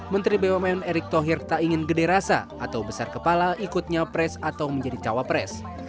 menteri bumn erick thohir tak ingin gede rasa atau besar kepala ikutnya pres atau menjadi cawapres